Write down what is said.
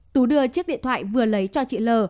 tú đưa chiếc điện thoại vừa lấy cho chị l